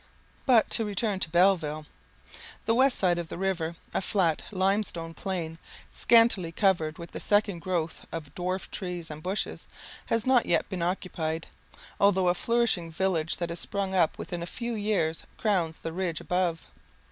But to return to Belleville. The west side of the river a flat limestone plain, scantily covered with a second growth of dwarf trees and bushes has not as yet been occupied, although a flourishing village that has sprung up within a few years crowns the ridge above.